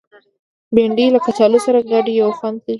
بېنډۍ له کچالو سره ګډه یو خوند جوړوي